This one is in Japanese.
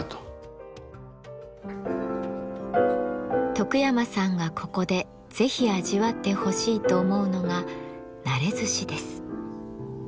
徳山さんがここでぜひ味わってほしいと思うのが熟ずしです。